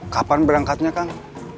kapan berangkatnya kang